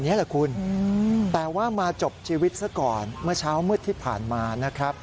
เพราะว่ามาจบชีวิตซะก่อนเมื่อเช้าเมื่อที่ผ่านมานะครับ